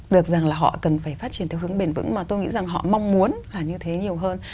được rằng là họ cần phải phát triển theo hướng bền vững mà tôi nghĩ rằng họ mong muốn là như thế nhiều hơn